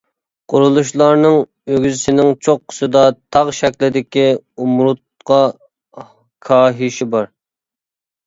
قۇرۇلۇشلارنىڭ ئۆگزىسىنىڭ چوققىسىدا تاغ شەكلىدىكى ئومۇرتقا كاھىشى بار.